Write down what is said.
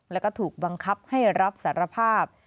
แล้วก็ถูกบังคับให้รับสารภาพ